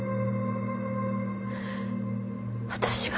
私が。